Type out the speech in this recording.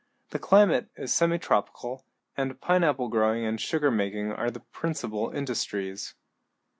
The climate is semitropical, and pineapple growing and sugar making are the principal industries.